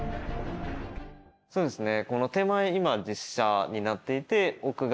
そうですね。